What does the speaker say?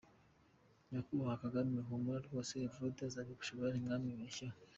Nyakubahwa Kagame humura rwose Evode azabigushoborera ntiwamwibeshyeho.